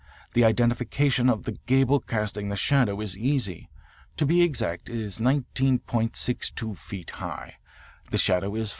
The identification of the gable casting the shadow is easy. To be exact it is 19.62 feet high. The shadow is 14.